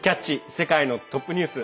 世界のトップニュース」。